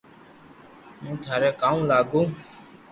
ھون ٿاري ڪاو لاگو